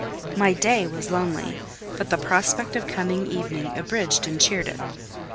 My day was lonely, but the prospect of coming evening abridged and cheered it.